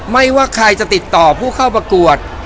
ไม่ว่าใครจะติดต่อผู้เข้าประกวด